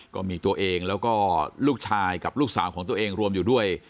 ก็มีตัวเองแล้วก็ลูกชายกับลูกสาวของตัวเองรวมอยู่ด้วย